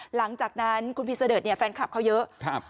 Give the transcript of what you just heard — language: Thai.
หลังจากนั้นคุณพีเสดิร์ชเนี่ยแฟนคลับเขาเยอะครับ